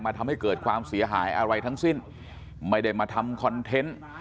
ทำให้เกิดความเสียหายอะไรทั้งสิ้นไม่ได้มาทำคอนเทนต์